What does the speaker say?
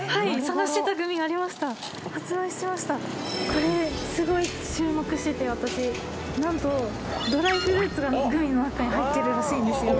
これすごい注目してて私なんとドライフルーツがグミの中に入っているらしいんですよ